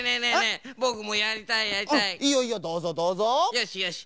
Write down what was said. よしよし。